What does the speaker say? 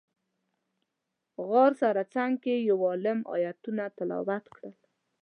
غار سره څنګ کې یو عالم ایتونه تلاوت کړل.